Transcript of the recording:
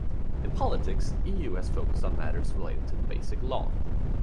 In politics, Eu has focused on matters relating to the Basic Law.